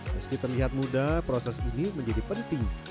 melihat mudah proses ini menjadi penting